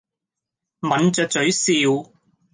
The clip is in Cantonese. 抿着嘴笑。